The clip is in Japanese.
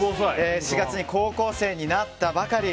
４月に高校生になったばかり。